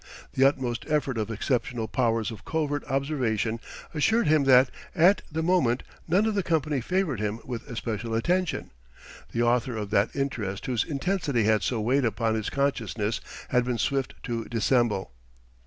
The utmost effort of exceptional powers of covert observation assured him that, at the moment, none of the company favoured him with especial attention; the author of that interest whose intensity had so weighed upon his consciousness had been swift to dissemble.